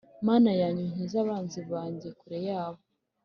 Mana yanjye unkize abanzi banjye kure yabo